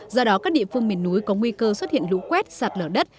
do đó các địa phương miền núi có nguy cơ xuất hiện lũ quét sạt lở đất